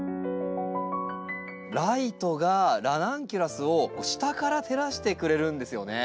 ライトがラナンキュラスを下から照らしてくれるんですよね。